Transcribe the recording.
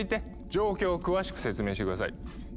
状況を詳しく説明して下さい。